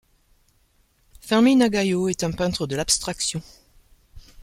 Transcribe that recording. Fermín Aguayo est un peintre de l'abstraction.